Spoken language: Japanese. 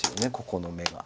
ここの眼が。